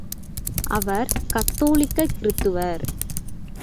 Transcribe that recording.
அவர் கத்தோலிக்க கிருத்துவர்.